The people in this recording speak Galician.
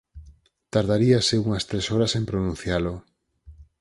Tardaríase unhas tres horas en pronuncialo.